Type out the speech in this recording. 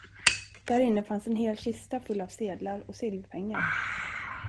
Där inne fanns en hel kista full av sedlar och silverpengar.